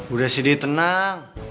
udah sih deh tenang